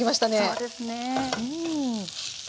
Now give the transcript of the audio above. そうですね！